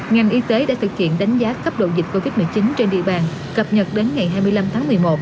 ngành y tế đã thực hiện đánh giá cấp độ dịch covid một mươi chín trên địa bàn cập nhật đến ngày hai mươi năm tháng một mươi một